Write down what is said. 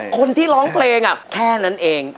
คนที่ร้องเพลงแค่นั้นเอง